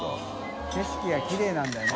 景色がキレイなんだよね。